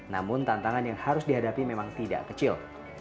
namun tantangan yang harus dihadapi memang tidak kecil